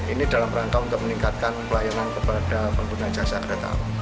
ini dalam rangka untuk meningkatkan pelayanan kepada pengguna jasa kereta api